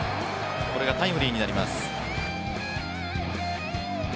これがタイムリーになります。